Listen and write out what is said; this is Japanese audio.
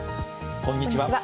こんにちは。